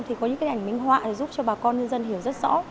thì có những cái ảnh minh họa giúp cho bà con nhân dân hiểu rất rõ